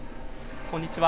こんにちは。